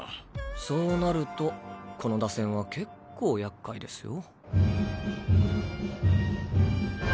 そうなるとこの打線は結構厄介ですよ。